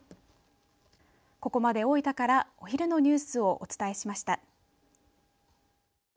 ここまで大分からお昼のニュースをお伝えしました。